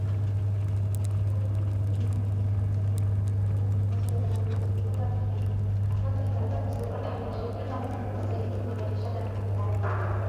Takwimu za Januari ziko juu kuliko pato la mauzo ya nje kutoka Kenya, ambayo imekuwa kihistoria ni mshirika mkubwa zaidi wa kibiashara na Uganda